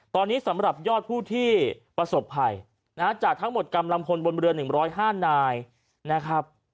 ตอนนี้สำหรับยอดผู้ที่ประสบภัยนะฮะจากทั้งหมดกำลังพลบนเรือ๑๐๕นายนะครับ